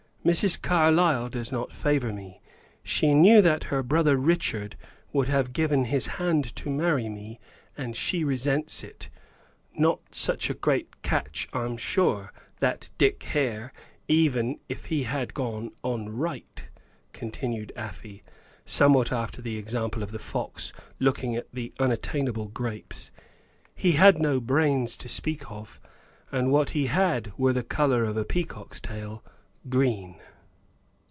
Mrs. Carlyle does not favor me. She knew that her brother Richard would have given his hand to marry me, and she resents it. Not such a great catch, I'm sure, that Dick Hare, even if he had gone on right," continued Afy, somewhat after the example of the fox, looking at the unattainable grapes. "He had no brains to speak of; and what he had were the color of a peacock's tail green."